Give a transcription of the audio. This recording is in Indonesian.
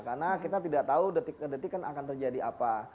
karena kita tidak tahu detik detik kan akan terjadi apa